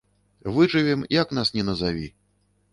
Выжывем, як нас ні назаві.